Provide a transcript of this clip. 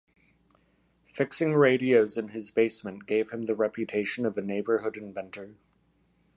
Fixing radios in his basement gave him the reputation of a neighborhood inventor.